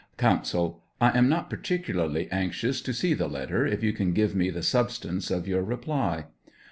' Counsel. I am not particularly anxious to see the letter, if you can give me the substance of your reply.